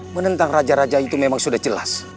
menentang raja raja itu memang sudah jelas